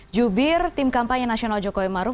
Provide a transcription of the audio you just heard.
jubir tim kampanye nasional jokowi maruf